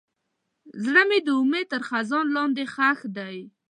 زړه مې د امید تر خزان لاندې ښخ دی.